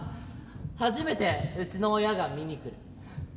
初めてうちの親が見に来る。